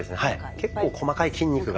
結構細かい筋肉が。